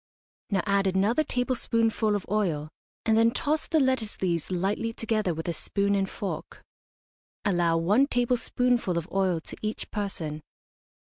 Now add another tablespoonful of oil, and then toss the lettuce leaves lightly together with a spoon and fork. Allow one tablespoonful of oil to each person.